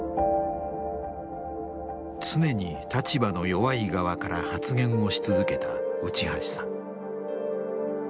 常に立場の弱い側から発言をし続けた内橋さん。